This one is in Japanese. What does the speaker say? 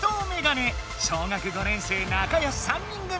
小学５年生なかよし３人組！